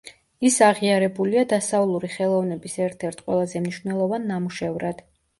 ის აღიარებულია დასავლური ხელოვნების ერთ-ერთ ყველაზე მნიშვნელოვან ნამუშევრად.